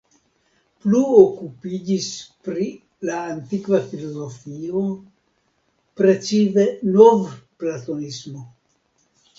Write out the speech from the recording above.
Plu okupiĝis pri la antikva filozofio, precipe novplatonismo.